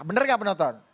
benar gak penonton